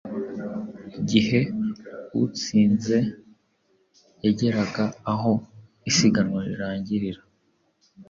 Igihe utsinze yageraga aho isiganwa rirangirira,